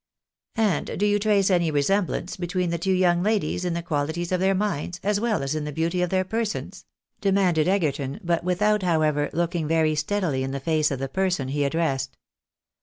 " And do you trace any resemblance between the two young ladies in the qualities of their minds, as well as in the beauty of their persons ?" demanded Egerton, but without, liowever, looking very steadily in the face of the person he addressed.